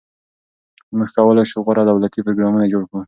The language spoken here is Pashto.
موږ کولای شو غوره دولتي پروګرامونه جوړ کړو.